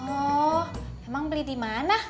oh emang beli di mana